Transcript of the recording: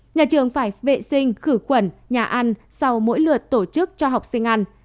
nhà trường phải vệ sinh khử khuẩn nhà ăn sau mỗi lượt tổ chức cho học sinh ăn